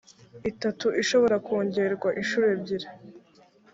itatu ishobora kongerwa inshuro ebyiri